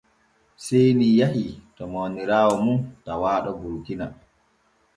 Seeni yahii to mawniraawo mum tawaaɗo Burkina.